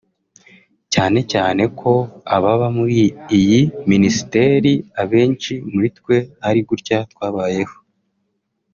cyane cyane ko ababa muri iyi ministeri abenshi muri twe ari gutya twabayeho